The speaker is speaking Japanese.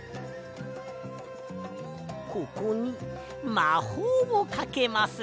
ここにまほうをかけます。